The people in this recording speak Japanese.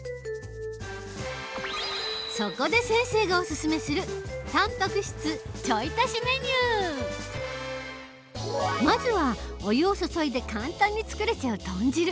そこで先生がお勧めするまずはお湯を注いで簡単に作れちゃう豚汁。